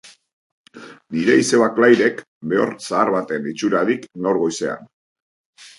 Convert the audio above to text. Nire izeba Clairek behor zahar baten itxura dik gaur goizean...